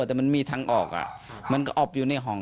แต่มันมีทางออกมันก็อบอยู่ในห้อง